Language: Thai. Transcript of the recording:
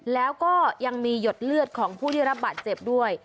แล้วก็ยังมีหยดเลือดของผู้ที่รับบาดเจ็บด้วย